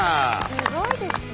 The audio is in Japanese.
すごいですね。